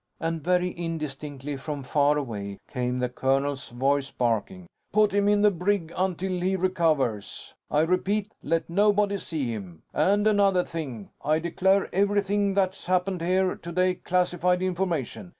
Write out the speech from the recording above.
And very indistinctly, from far away, came the colonel's voice, barking: "Put him in the brig until he recovers. I repeat, let nobody see him. And another thing I declare everything that's happened here today classified information.